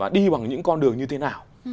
đi bằng những con đường như thế nào